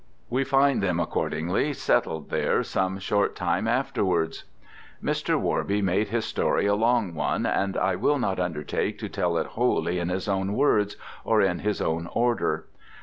We find them accordingly settled there some short time afterwards. Mr. Worby made his story a long one, and I will not undertake to tell it wholly in his own words, or in his own order.